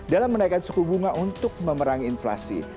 dalam menaikkan suku bunga untuk memerangi inflasi